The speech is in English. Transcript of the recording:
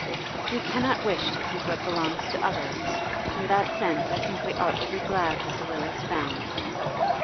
'You cannot wish to keep what belongs to others. In that sense I think we ought to be glad that the will is found.